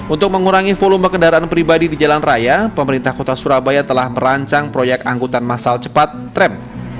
untuk mengurangi volume kendaraan pribadi di jalan raya pemerintah kota surabaya telah merancang proyek angkutan masal cepat tram